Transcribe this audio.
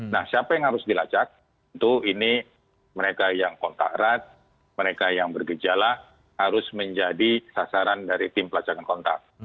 nah siapa yang harus dilacak tentu ini mereka yang kontak erat mereka yang bergejala harus menjadi sasaran dari tim pelacakan kontak